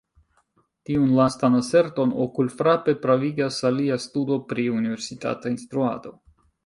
Tiun lastan aserton okulfrape pravigas alia studo pri universitata instruado.